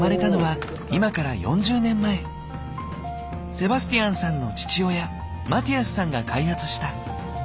セバスティアンさんの父親マティアスさんが開発した。